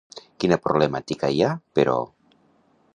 Quina problemàtica hi ha, però?